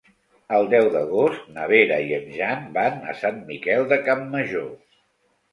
El deu d'agost na Vera i en Jan van a Sant Miquel de Campmajor.